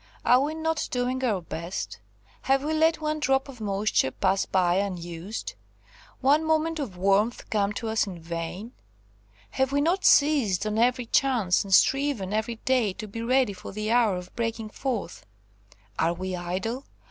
Are we not doing our best? Have we let one drop of moisture pass by unused, one moment of warmth come to us in vain? have we not seized on every chance, and striven every day to be ready for the hour of breaking forth? Are we idle?